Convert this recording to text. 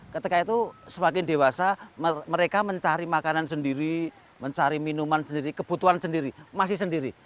ketika itu semakin dewasa mereka mencari makanan sendiri mencari minuman sendiri kebutuhan sendiri masih sendiri